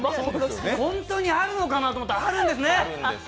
本当にあるのかなと思ったらあるんですね。